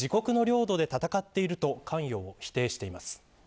自国の領土で戦っていると関与を否定しています。